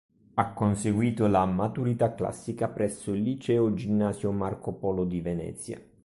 Ha conseguito la maturità classica presso il Liceo Ginnasio Marco Polo di Venezia.